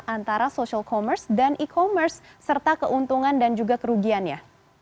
antara social commerce dan e commerce serta keuntungan dan juga kerugiannya